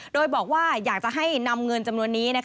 โดยบอกว่าอยากจะให้นำเงินจำนวนนี้